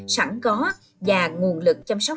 sẵn có và nguồn lực chăm sóc